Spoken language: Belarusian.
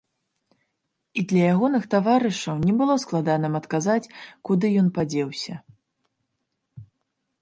І для ягоных таварышаў не было складаным адказаць, куды ён падзеўся.